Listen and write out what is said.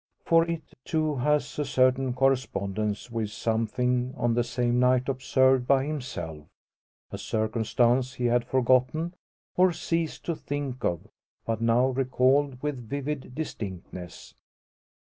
For it, too, has a certain correspondence with something on the same night observed by himself a circumstance he had forgotten, or ceased to think of; but now recalled with vivid distinctness.